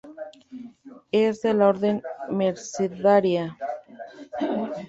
Es de la orden mercedaria.